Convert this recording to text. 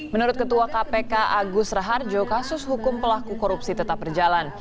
menurut ketua kpk agus raharjo kasus hukum pelaku korupsi tetap berjalan